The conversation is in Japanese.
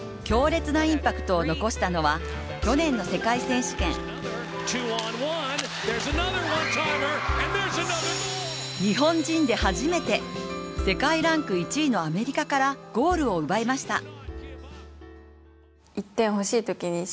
強烈なインパクトを残したのは去年の世界選手権日本人で初めて世界ランク１位のアメリカからゴールを奪いました。